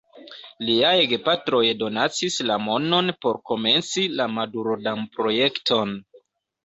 Liaj gepatroj donacis la monon por komenci la Madurodam-projekton.